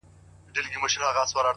دا نعمت خو د ګیدړ دی چي یې وخوري!